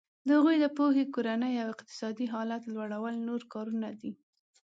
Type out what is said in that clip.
د هغوی د پوهې کورني او اقتصادي حالت لوړول نور کارونه دي.